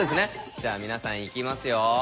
じゃあ皆さんいきますよ。